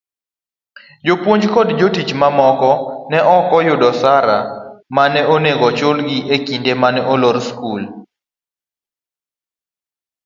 jopuonj koda jotich mamoko, ne okyud osara mane onego ochulgi ekinde mane olor skul.